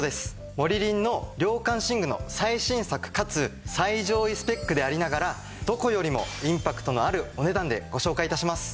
モリリンの涼感寝具の最新作かつ最上位スペックでありながらどこよりもインパクトのあるお値段でご紹介致します。